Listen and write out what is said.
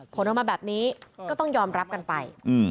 ผลออกมาแบบนี้ก็ต้องยอมรับกันไป